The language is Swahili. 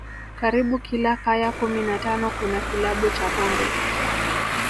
Karibu kila kaya kumi na tano kuna kilabu cha pombe